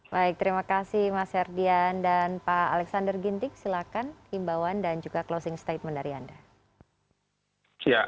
baik terima kasih mas herdian dan pak alexander ginting silakan imbauan dan juga closing statement dari anda